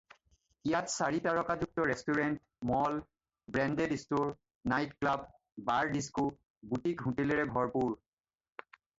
ইয়াত চাৰিতাৰকাযুক্ত restaurant, mall, branded store, night club, bar disco, বুটিক-হোটেলৰে ভৰপূৰ।